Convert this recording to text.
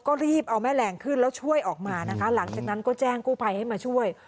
ก็รีบเอาแม่แรงขึ้นแล้วช่วยออกมานะคะหลังจากนั้นก็แจ้งกู้ภัยให้มาช่วย